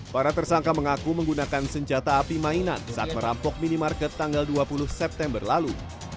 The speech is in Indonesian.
para tersangka mengaku menggunakan senjata api mainan saat merampok minimarket tanggal dua puluh september lalu